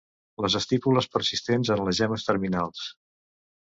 Les estípules persistents en les gemmes terminals.